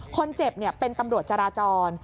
คนเจ็บเป็นตำรวจจราจร